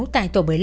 tại tổ một mươi năm